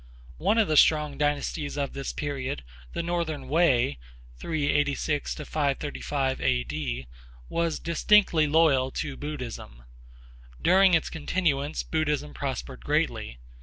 One of the strong dynasties of this period, the Northern Wei (386 535 A. D.), was distinctly loyal to Buddhism. During its continuance Buddhism prospered greatly.